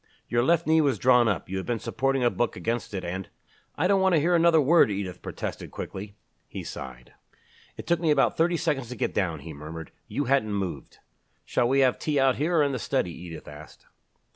Your left knee was drawn up you had been supporting a book against it and " "I don't want to hear another word," Edith protested quickly. He sighed. "It took me about thirty seconds to get down," he murmured. "You hadn't moved." "Shall we have tea out here or in the study?" Edith asked.